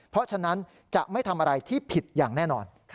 เพราะฉะนั้นจะไม่ทำอะไรที่ผิดอย่างแน่นอน